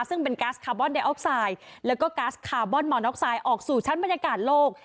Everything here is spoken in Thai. ซึ่งเป็นก๊าซคาร์บอนไดออกไซด์แล้วก็ก๊าซคาร์บอนมอน็อกไซด์ออกสู่ชั้นบรรยากาศโลก